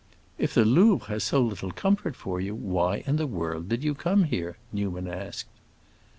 "If the Louvre has so little comfort for you, why in the world did you come here?" Newman asked.